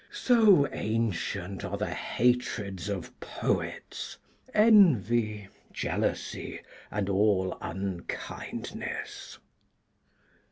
So ancient are the hatreds of poets, envy, jealousy, and all unkindness.